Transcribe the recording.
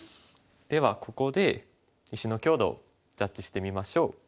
ではここで石の強度をジャッジしてみましょう。